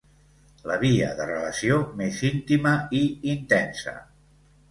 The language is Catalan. La via de relació més íntima i intensa.